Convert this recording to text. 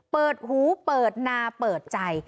เปิดหูเปิดนาเปิดใจ